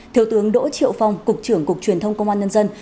thiếu tướng đỗ triệu phong cục trưởng cục truyền thông công an nhân dân